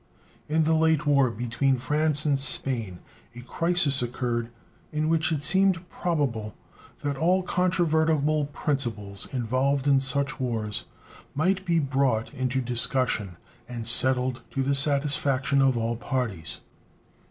In the late war between France and Spain a crisis occurred in which it seemed probable that all controvertible principles involved in such wars might be brought into discussion and settled to the satisfaction of all parties.